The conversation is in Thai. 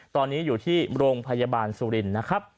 ตอนนี้อยู่ที่โรงพยาบาลสุรินทร์นะครับ